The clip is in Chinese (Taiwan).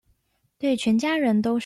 對全家人都是